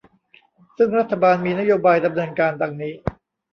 ซึ่งรัฐบาลมีนโยบายดำเนินการดังนี้